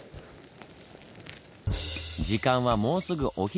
時間はもうすぐお昼。